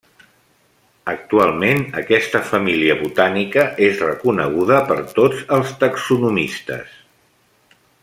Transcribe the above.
Actualment aquesta família botànica és reconeguda per tots els taxonomistes.